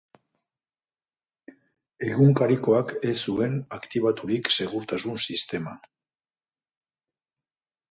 Egunkarikoak ez zuen aktibaturik segurtasun sistema.